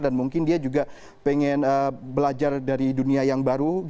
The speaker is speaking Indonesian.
dan mungkin dia juga pengen belajar dari dunia yang baru